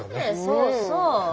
そうそう。